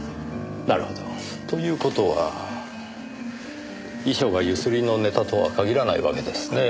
なるほど。という事は遺書が強請りのネタとは限らないわけですねぇ。